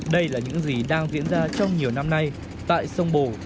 đây là những gì đang diễn ra trong nhiều năm nay tại sông bồ